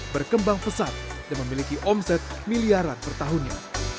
berkembang pesat dan memiliki omset miliaran per tahunnya